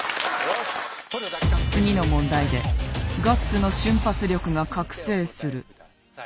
次の問題でガッツの瞬発力が覚醒する。